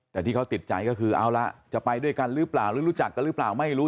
แต่ที่เขาติดใจก็คือเอาละจะไปด้วยกันหรือเปล่าหรือรู้จักกันหรือเปล่าไม่รู้